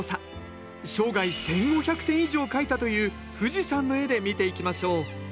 生涯１，５００点以上描いたという富士山の絵で見ていきましょう。